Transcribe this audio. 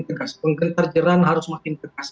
tegas penggentar jeran harus makin tegas